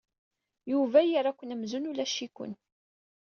Yuba yerra-ken amzun ulac-iken.